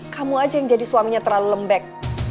kamu aja yang jadi suaminya terlalu lembek